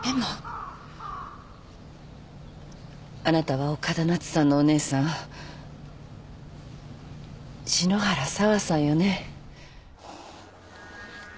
あなたは岡田奈津さんのお姉さん篠原サワさんよね？